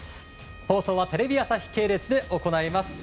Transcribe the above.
放送はテレビ朝日系列で行います。